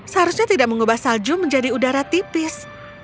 seharusnya tidak mengubah salju menjadi udara tipis